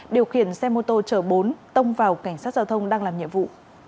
điều khiển xe mô tô chở bốn tông vào cảnh sát giao thông đang làm nhiệm vụ